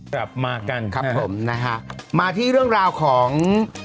กลับมากันครับผมนะฮะมาที่เรื่องราวของ